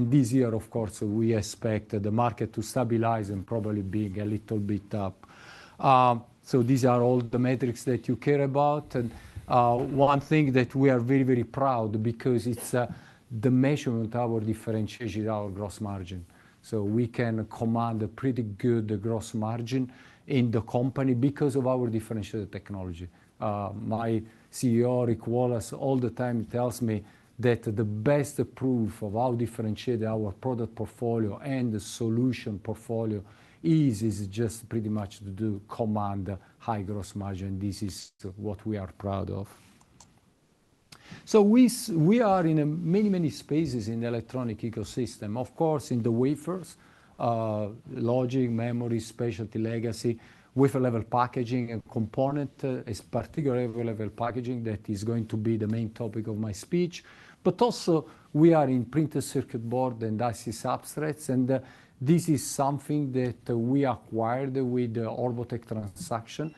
This year, of course, we expect the market to stabilize and probably be a little bit up. So these are all the metrics that you care about, and one thing that we are very, very proud because it's the measurement, our differentiation, our gross margin. So we can command a pretty good gross margin in the company because of our differentiated technology. My CEO, Rick Wallace, all the time tells me that the best proof of how differentiated our product portfolio and the solution portfolio is, is just pretty much to command high gross margin. This is what we are proud of. So we are in many, many spaces in the electronic ecosystem. Of course, in the wafers, logic, memory, specialty, legacy, wafer-level packaging and component, is particularly wafer-level packaging that is going to be the main topic of my speech, but also we are in printed circuit board and IC substrates, and this is something that we acquired with the Orbotech transaction.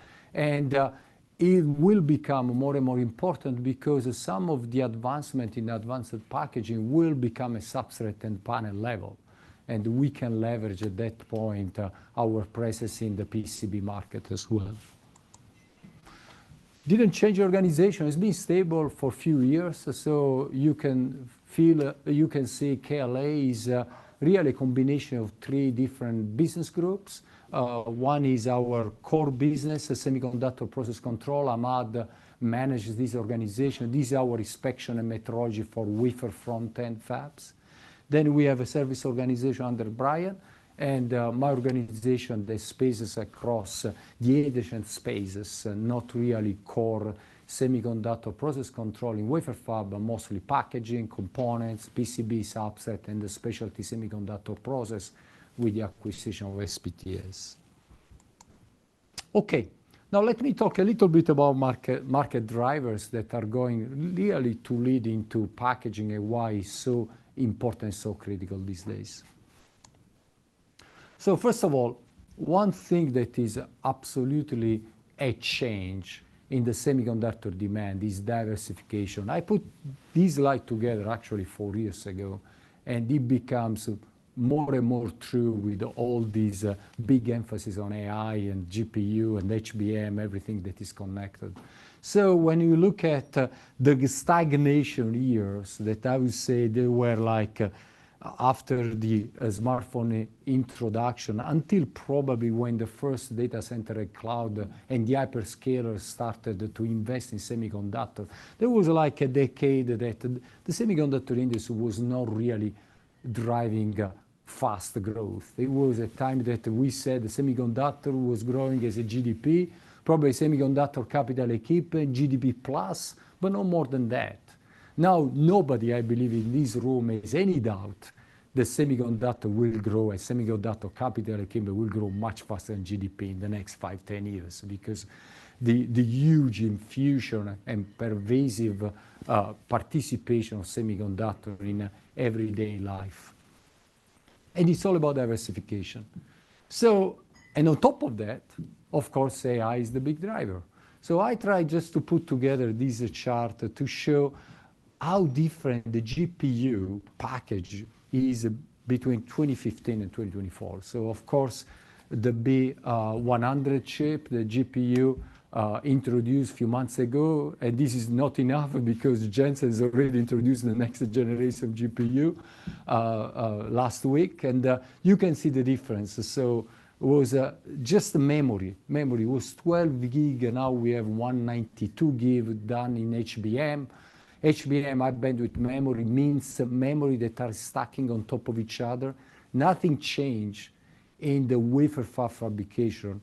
It will become more and more important because some of the advancement in advanced packaging will become a substrate and panel level, and we can leverage at that point, our presence in the PCB market as well. Didn't change the organization. It's been stable for a few years, so you can feel, you can see KLA is really a combination of three different business groups. One is our core business, semiconductor process control. Ahmad manages this organization. This is our inspection and metrology for wafer front-end fabs. Then we have a service organization under Brian, and, my organization, the spaces across the additional spaces, not really core semiconductor process control in wafer fab, but mostly packaging, components, PCB, substrate, and the specialty semiconductor process with the acquisition of SPTS. Okay, now let me talk a little bit about market drivers that are going really to lead into packaging and why it's so important and so critical these days. So first of all, one thing that is absolutely a change in the semiconductor demand is diversification. I put this slide together actually four years ago, and it becomes more and more true with all these, big emphasis on AI and GPU and HBM, everything that is connected. So when you look at the stagnation years, that I would say they were like after the smartphone introduction, until probably when the first data center and cloud and the hyperscalers started to invest in semiconductor, there was like a decade that the semiconductor industry was not really driving fast growth. It was a time that we said the semiconductor was growing as a GDP, probably semiconductor capital equipment, GDP plus, but no more than that. Now, nobody, I believe, in this room has any doubt that semiconductor will grow and semiconductor capital equipment will grow much faster than GDP in the next five, 10 years, because the huge infusion and pervasive participation of semiconductor in everyday life, and it's all about diversification. And on top of that, of course, AI is the big driver. So I tried just to put together this chart to show how different the GPU package is between 2015 and 2024. So of course, the B100 chip, the GPU, introduced a few months ago, and this is not enough because Jensen has already introduced the next generation of GPU, last week, and you can see the difference. So it was just the memory. Memory. It was 12 GB, and now we have 192 GB done in HBM. HBM, High Bandwidth Memory, means the memory that are stacking on top of each other. Nothing change in the wafer fab fabrication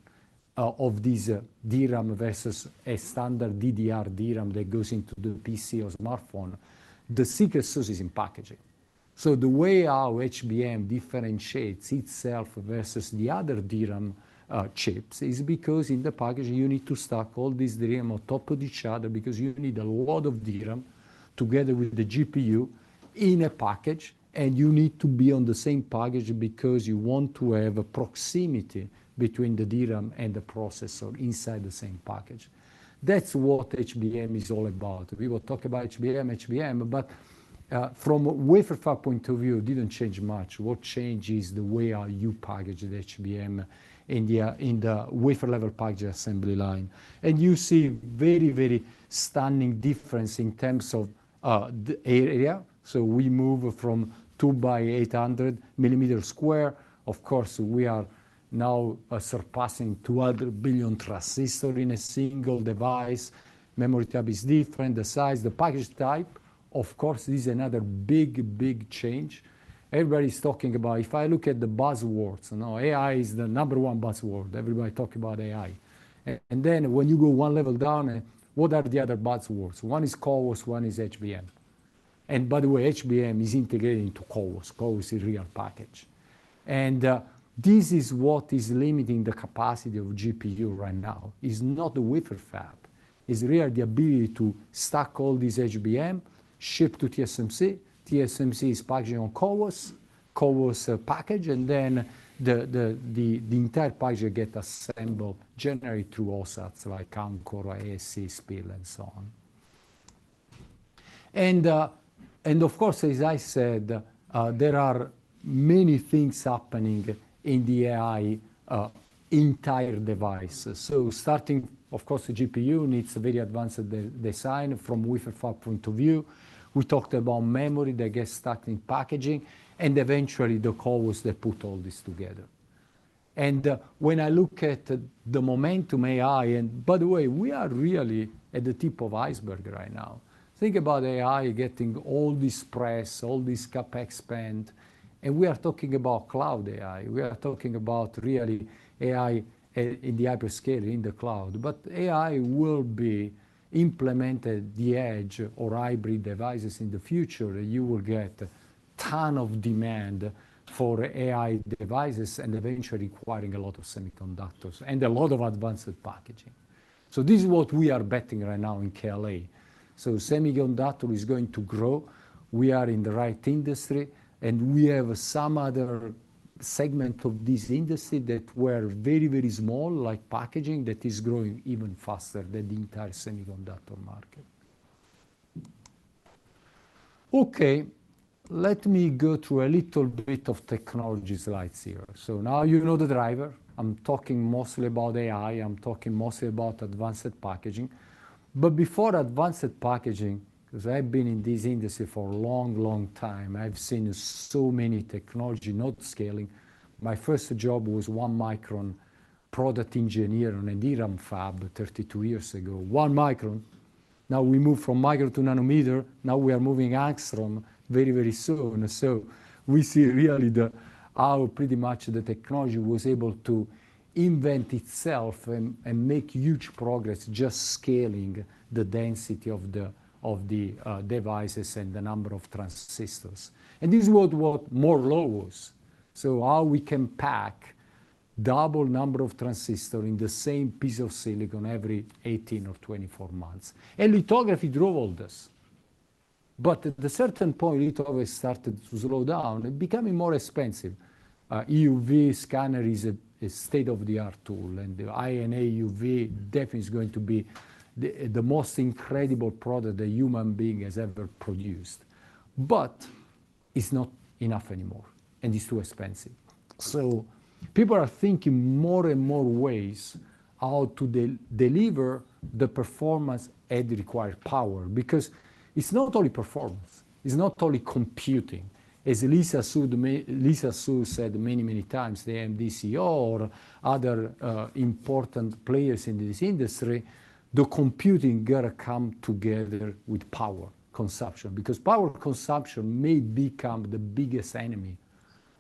of these DRAM versus a standard DDR DRAM that goes into the PC or smartphone. The secret sauce is in packaging. So the way our HBM differentiates itself versus the other DRAM, chips, is because in the package, you need to stack all these DRAM on top of each other because you need a lot of DRAM together with the GPU in a package, and you need to be on the same package because you want to have a proximity between the DRAM and the processor inside the same package. That's what HBM is all about. We will talk about HBM, HBM, but, from a wafer fab point of view, it didn't change much. What changed is the way how you package the HBM in the, in the wafer-level package assembly line. And you see very, very stunning difference in terms of, the area. So we move from 2 by 800 mm sq. Of course, we are now surpassing 200 billion transistors in a single device. Memory tab is different, the size, the package type. Of course, this is another big, big change. Everybody's talking about. If I look at the buzzwords, now AI is the number one buzzword. Everybody talk about AI. And then when you go one level down, what are the other buzzwords? One is CoWoS, one is HBM. And by the way, HBM is integrating into CoWoS. CoWoS is a real package. And this is what is limiting the capacity of GPU right now. It's not the wafer fab. It's really the ability to stack all these HBM, ship to TSMC. TSMC is packaging on CoWoS. CoWoS package, and then the entire package get assembled generally through OSATs like Amkor, ASE, SPIL, and so on. Of course, as I said, there are many things happening in the entire AI device. So starting, of course, the GPU needs a very advanced design from wafer fab point of view. We talked about memory that gets stacked in packaging, and eventually, the cores that put all this together. And when I look at the momentum in AI. And by the way, we are really at the tip of the iceberg right now. Think about AI getting all this press, all this CapEx spend, and we are talking about cloud AI. We are talking about really AI in the hyperscale, in the cloud. But AI will be implemented at the edge or in hybrid devices in the future. You will get a ton of demand for AI devices and eventually requiring a lot of semiconductors and a lot of advanced packaging. So this is what we are betting right now in KLA. So semiconductor is going to grow. We are in the right industry, and we have some other segment of this industry that were very, very small, like packaging, that is growing even faster than the entire semiconductor market. Okay, let me go through a little bit of technology slides here. So now you know the driver. I'm talking mostly about AI, I'm talking mostly about advanced packaging. But before advanced packaging, 'cause I've been in this industry for a long, long time, I've seen so many technology, not scaling. My first job was one micron product engineer on a DRAM fab 32 years ago. One micron! Now, we moved from micron to nanometer. Now, we are moving angstrom very, very soon. So we see really how pretty much the technology was able to invent itself and make huge progress, just scaling the density of the devices and the number of transistors. And this is what Moore's Law was. So how we can pack double number of transistor in the same piece of silicon every 18 or 24 months. And lithography drove all this. But at a certain point, lithography started to slow down and becoming more expensive. EUV scanner is a state-of-the-art tool, and the High-NA EUV definitely is going to be the most incredible product a human being has ever produced. But it's not enough anymore, and it's too expensive. So people are thinking more and more ways how to deliver the performance at the required power. Because it's not only performance, it's not only computing. As Lisa Su said many, many times, the NVIDIA CEO or other important players in this industry, the computing got to come together with power consumption, because power consumption may become the biggest enemy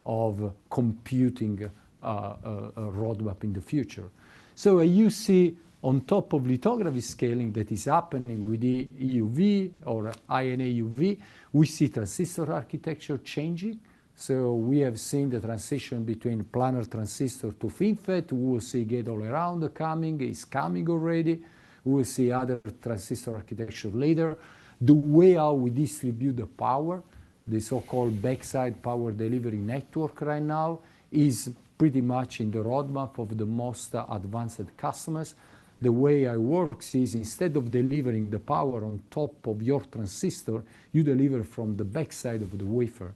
of computing, a roadmap in the future. So you see, on top of lithography scaling, that is happening with the EUV or High-NA EUV, we see transistor architecture changing. So we have seen the transition between planar transistor to FinFET. We will see gate-all-around coming. It's coming already. We will see other transistor architecture later. The way how we distribute the power, the so-called backside power delivery network right now, is pretty much in the roadmap of the most advanced customers. The way it works is instead of delivering the power on top of your transistor, you deliver from the backside of the wafer,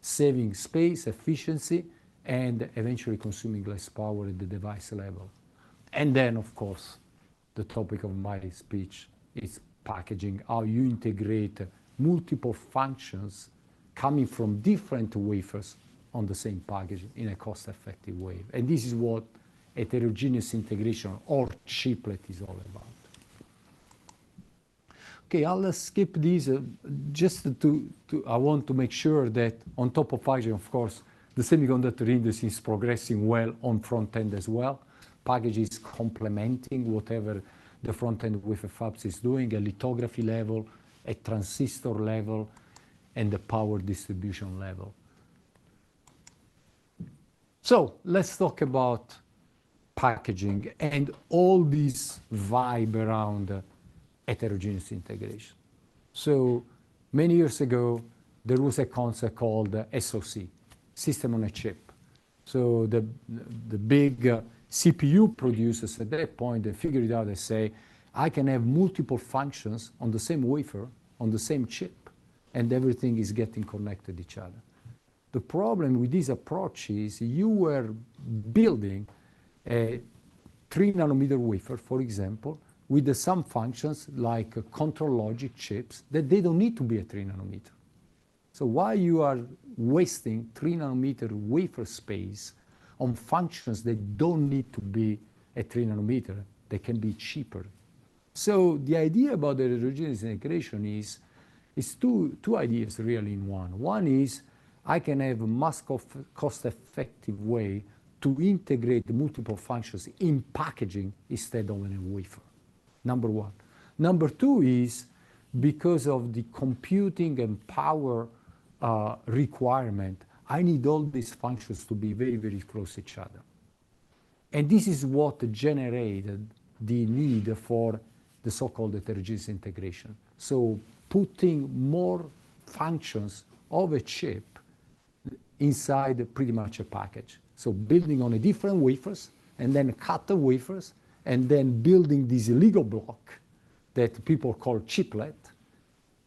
saving space, efficiency, and eventually consuming less power at the device level. And then, of course, the topic of my speech is packaging, how you integrate multiple functions coming from different wafers on the same package in a cost-effective way. And this is what heterogeneous integration or chiplet is all about. Okay, I'll skip this. Just to, I want to make sure that on top of packaging, of course, the semiconductor industry is progressing well on front-end as well. Packaging is complementing whatever the front-end wafer fabs is doing, a lithography level, a transistor level, and the power distribution level. So let's talk about packaging and all this vibe around heterogeneous integration. So many years ago, there was a concept called SoC, system-on-a-chip. So the big CPU producers at that point, they figured it out, they say, "I can have multiple functions on the same wafer, on the same chip, and everything is getting connected each other." The problem with this approach is you were building a 3 nm wafer, for example, with some functions like control logic chips, that they don't need to be a 3 nm. So why you are wasting 3 nm wafer space on functions that don't need to be a 3 nm? They can be cheaper. So the idea about the heterogeneous integration is, it's two ideas really in one. One is, I can have a mass cost, cost-effective way to integrate multiple functions in packaging instead of in a wafer, number one. Number two is, because of the computing and power requirement, I need all these functions to be very, very close to each other. This is what generated the need for the so-called heterogeneous integration. Putting more functions of a chip inside pretty much a package. Building on a different wafers, and then cut the wafers, and then building this Lego block that people call chiplet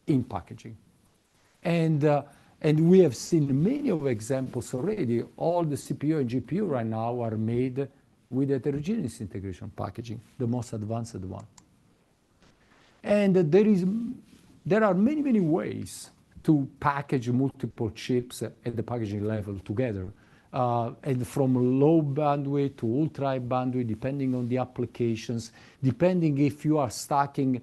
in packaging. And we have seen many of examples already. All the CPU and GPU right now are made with heterogeneous integration packaging, the most advanced one. There are many, many ways to package multiple chips at the packaging level together, and from low bandwidth to ultra bandwidth, depending on the applications, depending if you are stacking,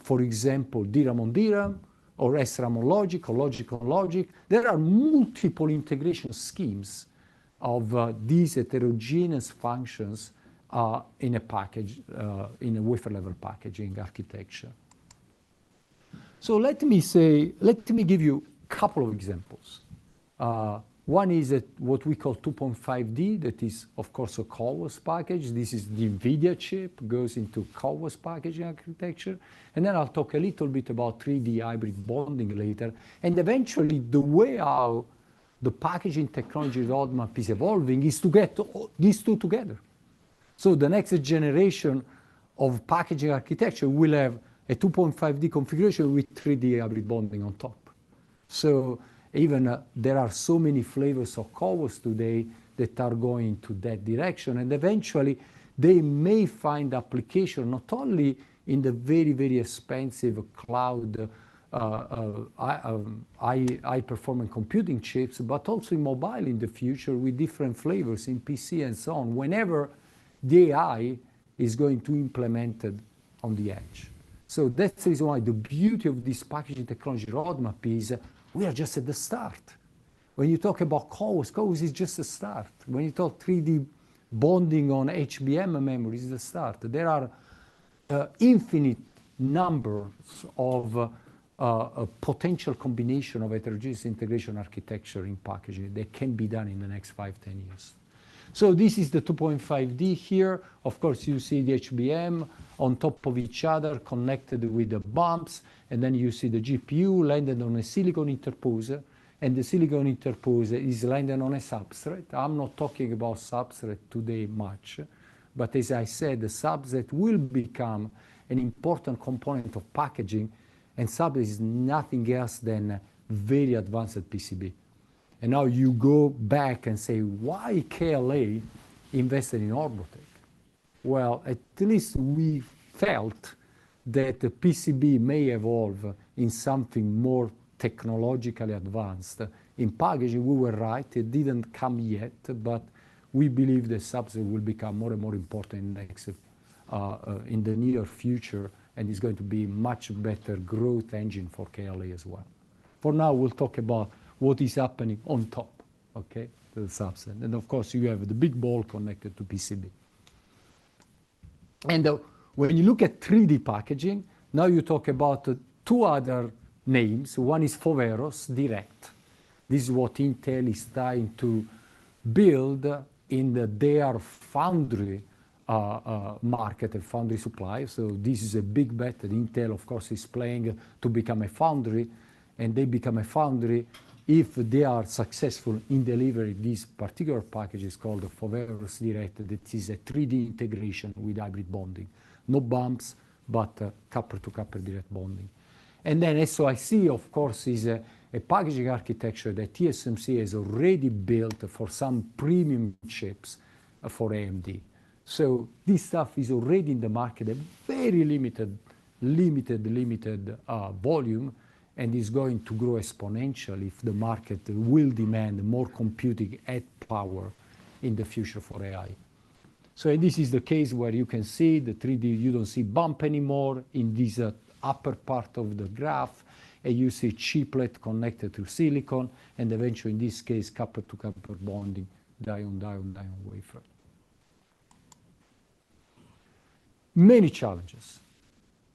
for example, DRAM on DRAM or SRAM on logic, or logic on logic. There are multiple integration schemes of these heterogeneous functions in a package in a wafer-level packaging architecture. Let me give you a couple of examples. One is what we call 2.5D. That is, of course, a CoWoS package. This is the NVIDIA chip, goes into CoWoS packaging architecture. And then I'll talk a little bit about 3D hybrid bonding later. And eventually, the way how the packaging technology roadmap is evolving is to get all these two together. So the next generation of packaging architecture will have a 2.5D configuration with 3D hybrid bonding on top. So even, there are so many flavors of CoWoS today that are going to that direction, and eventually, they may find application not only in the very, very expensive cloud, high, high performing computing chips, but also in mobile in the future with different flavors in PC and so on, whenever the AI is going to implemented on the edge. So that is why the beauty of this packaging technology roadmap is we are just at the start. When you talk about CoWoS, CoWoS is just a start. When you talk 3D bonding on HBM memories, is a start. There are, infinite number of, potential combination of heterogeneous integration architecture in packaging that can be done in the next five, 10 years. So this is the 2.5D here. Of course, you see the HBM on top of each other, connected with the bumps, and then you see the GPU landed on a silicon interposer, and the silicon interposer is landed on a substrate. I'm not talking about substrate today much, but as I said, the substrate will become an important component of packaging, and substrate is nothing else than very advanced PCB. And now you go back and say, "Why KLA invested in Orbotech?" Well, at least we felt that the PCB may evolve in something more technologically advanced. In packaging, we were right. It didn't come yet, but we believe the substrate will become more and more important next, in the near future, and is going to be much better growth engine for KLA as well. For now, we'll talk about what is happening on top, okay, the substrate. And of course, you have the big ball connected to PCB. And when you look at 3D packaging, now you talk about two other names. One is Foveros Direct. This is what Intel is trying to build in their foundry market and foundry supply. So this is a big bet, and Intel, of course, is playing to become a foundry, and they become a foundry if they are successful in delivering this particular package, is called Foveros Direct. It is a 3D integration with hybrid bonding. No bumps, but copper-to-copper direct bonding. And then SOIC, of course, is a packaging architecture that TSMC has already built for some premium chips for AMD. So this stuff is already in the market, a very limited, limited, limited volume, and is going to grow exponentially if the market will demand more computing at power in the future for AI. So this is the case where you can see the 3D. You don't see bump anymore in this upper part of the graph, and you see chiplet connected to silicon, and eventually, in this case, copper-to-copper bonding, die on die on die on wafer. Many challenges,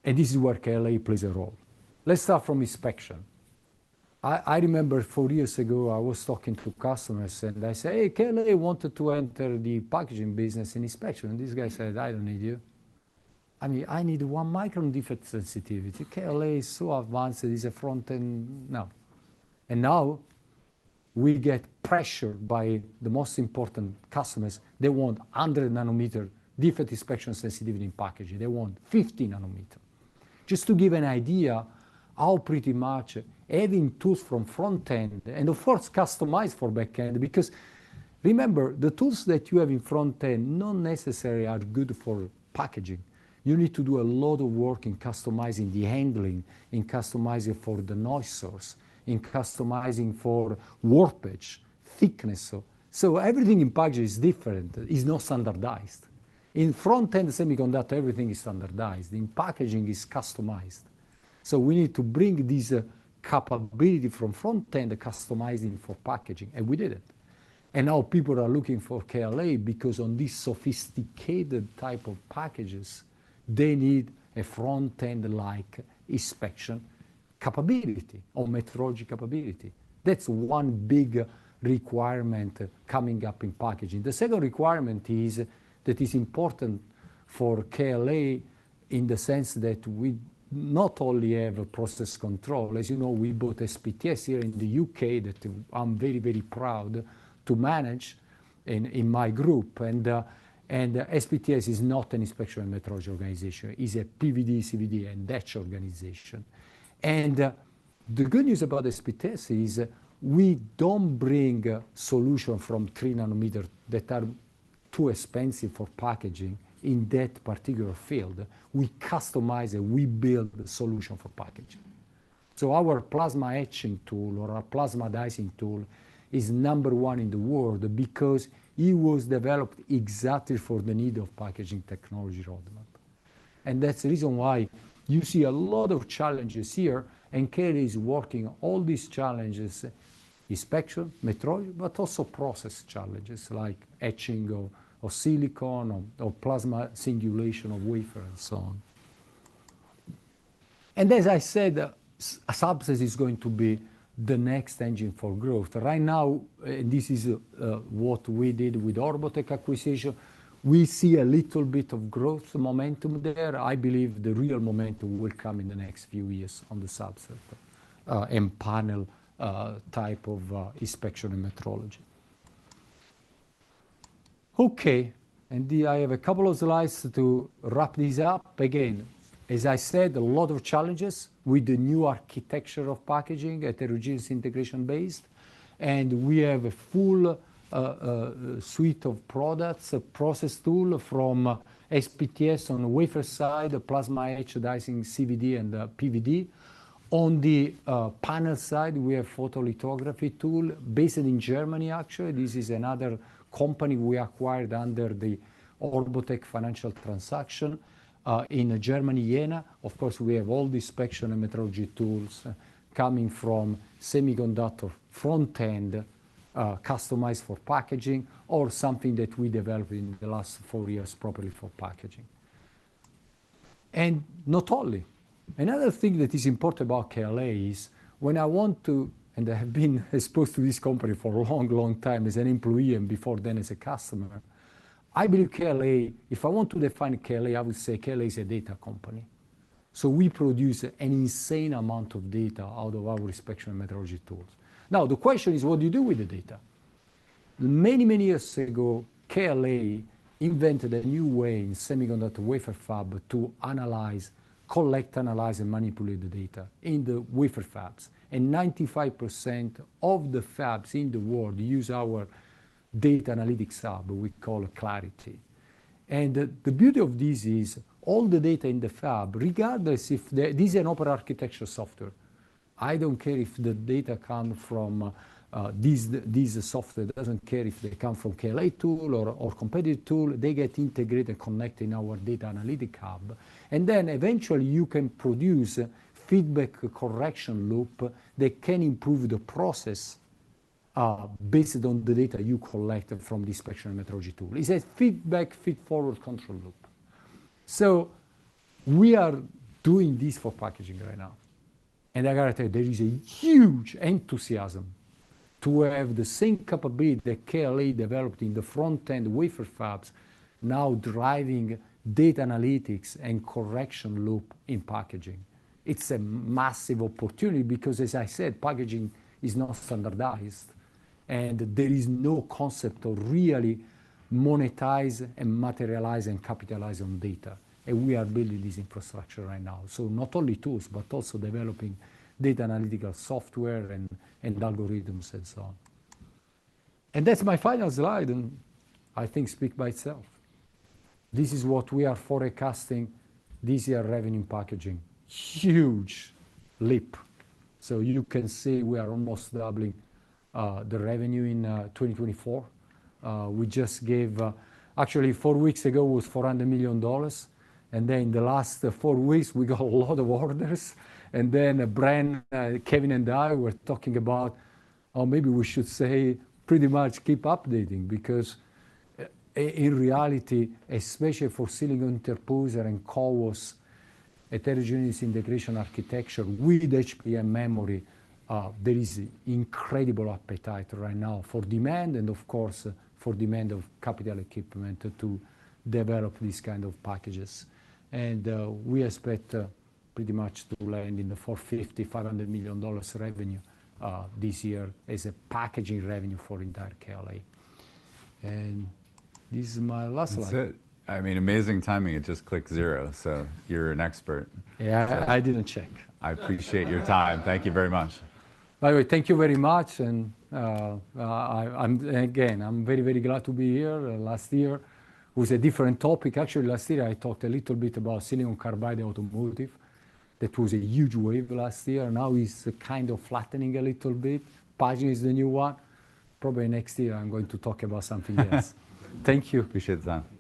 and this is where KLA plays a role. Let's start from inspection. I remember four years ago, I was talking to customers, and I say, "Hey, KLA wanted to enter the packaging business and inspection." And this guy said, "I don't need you. I mean, I need one micron defect sensitivity. KLA is so advanced, it is a front-end, no. And now we get pressured by the most important customers. They want 100 nm defect inspection sensitivity in packaging. They want 50 nm. Just to give an idea, how pretty much having tools from front-end, and of course, customized for back-end, because remember, the tools that you have in front-end not necessarily are good for packaging. You need to do a lot of work in customizing the handling, in customizing for the noise source, in customizing for warpage, thickness. So, so everything in packaging is different, is not standardized. In front-end semiconductor, everything is standardized. In packaging, it's customized. So we need to bring this capability from front-end, customizing for packaging, and we did it. And now people are looking for KLA because on these sophisticated type of packages, they need a front-end like inspection capability or metrology capability. That's one big requirement coming up in packaging. The second requirement is that is important for KLA in the sense that we not only have a process control, as you know, we bought SPTS here in the U.K., that I'm very, very proud to manage in my group. And SPTS is not an inspection metrology organization, is a PVD, CVD, and etch organization. And the good news about SPTS is we don't bring solution from 3 nm that are too expensive for packaging in that particular field. We customize and we build the solution for packaging. So our plasma etching tool, or our plasma dicing tool, is number one in the world because it was developed exactly for the need of packaging technology roadmap. That's the reason why you see a lot of challenges here, and KLA is working all these challenges, inspection, metrology, but also process challenges, like etching of silicon or plasma singulation of wafer, and so on. As I said, subsys is going to be the next engine for growth. Right now, this is what we did with Orbotech acquisition. We see a little bit of growth momentum there. I believe the real momentum will come in the next few years on the subsector, and panel type of inspection and metrology. Okay, I have a couple of slides to wrap this up. Again, as I said, a lot of challenges with the new architecture of packaging at the heterogeneous integration base, and we have a full suite of products, a process tool from SPTS on the wafer side, a plasma etch, dicing, CVD, and PVD. On the panel side, we have photolithography tool based in Germany, actually. This is another company we acquired under the Orbotech financial transaction in Germany, Jena. Of course, we have all the inspection and metrology tools coming from semiconductor front-end, customized for packaging or something that we developed in the last four years properly for packaging. And not only, another thing that is important about KLA is when I want to... I have been exposed to this company for a long, long time as an employee and before then, as a customer. I believe KLA, if I want to define KLA, I would say KLA is a data company. So we produce an insane amount of data out of our inspection and metrology tools. Now, the question is, what do you do with the data? Many, many years ago, KLA invented a new way in semiconductor wafer fab to analyze, collect, analyze, and manipulate the data in the wafer fabs. And 95% of the fabs in the world use our data analytics hub we call Klarity. And the beauty of this is, all the data in the fab, regardless if this is an open architecture software. I don't care if the data come from, this software doesn't care if they come from KLA tool or, or competitive tool. They get integrated, connected in our data analytic hub, and then eventually, you can produce a feedback correction loop that can improve the process, based on the data you collected from the inspection metrology tool. It's a feedback, feedforward control loop. So we are doing this for packaging right now, and I gotta tell you, there is a huge enthusiasm to have the same capability that KLA developed in the front-end wafer fabs now driving data analytics and correction loop in packaging. It's a massive opportunity because, as I said, packaging is not standardized, and there is no concept of really monetize, and materialize, and capitalize on data, and we are building this infrastructure right now. So not only tools, but also developing data analytical software and algorithms and so on. And that's my final slide, and I think speak by itself. This is what we are forecasting this year, revenue packaging. Huge leap! So you can see we are almost doubling the revenue in 2024. We just gave... Actually, four weeks ago, it was $400 million, and then in the last four weeks, we got a lot of orders. And then Brian, Kevin, and I were talking about, or maybe we should say, pretty much keep updating, because in reality, especially for silicon interposer and CoWoS, a heterogeneous integration architecture with HBM memory, there is incredible appetite right now for demand and, of course, for demand of capital equipment to develop these kind of packages. We expect pretty much to land in the $450 million-$500 million revenue this year as a packaging revenue for entire KLA. This is my last slide. That's it. I mean, amazing timing. It just clicked zero, so you're an expert. Yeah, I didn't check. I appreciate your time. Thank you very much. By the way, thank you very much, and again, I'm very, very glad to be here. Last year was a different topic. Actually, last year I talked a little bit about silicon carbide in automotive. That was a huge wave last year, and now it's kind of flattening a little bit. Packaging is the new one. Probably next year, I'm going to talk about something else. Thank you. Appreciate that.